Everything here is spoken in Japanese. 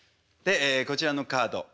こちらのカードねっ。